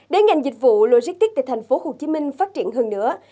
để ngành dịch vụ logistics tại thành phố hồ chí minh phát triển hơn nữa